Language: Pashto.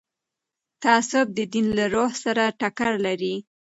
تعصب د دین له روح سره ټکر لري